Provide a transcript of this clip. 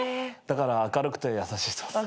だから明るくて優しい人っす。